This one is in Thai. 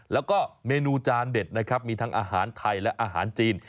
แล้วก็เมนูจานเด็ดนะครับมีทั้งอาหารไทยและอาหารจีน